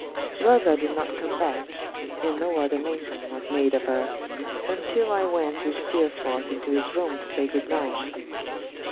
Rosa did not come back; and no other mention was made of her, until I went with Steerforth into his room to say Good night.